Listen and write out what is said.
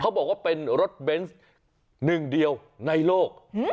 บอกว่าเป็นรถเบนส์หนึ่งเดียวในโลก